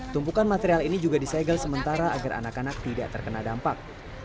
tumpukan material ini juga disegel sementara agar anak anak tidak terkena dampak